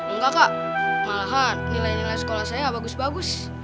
enggak kak malahan nilai nilai sekolah saya bagus bagus